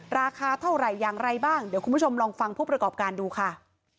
ราคาเท่าไหร่อย่างไรบ้างเดี๋ยวคุณผู้ชมลองฟังผู้ประกอบการดูค่ะ